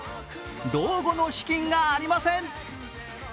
「老後の資金がありません！」。